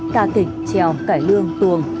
ca kịch trèo cải lương tuồng